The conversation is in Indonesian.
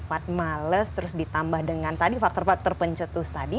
sifat males terus ditambah dengan tadi faktor faktor pencetus tadi